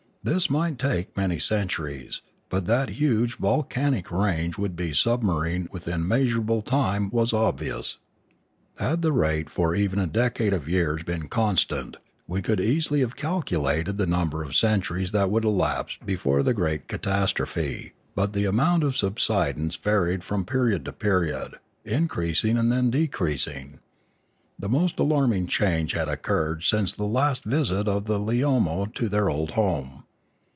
This might take many centuries, but that the huge volcanic range would be submarine within measurable time was ob vious. Had the rate for even a decade of years been constant, we could easily have calculated the number of centuries that would elapse before the great catas trophe; but the amount of subsidence varied from 650 Limanora period to period, increasing and then decreasing. The most alarming change had occurred since the last visit of the Leomo to their old home.